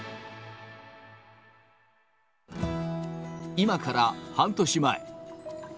今から半年前。